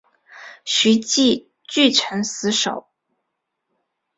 徐揖据城死守。